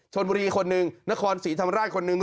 ชนบุรีคนนึงนครศรีธรรมราชคนนึง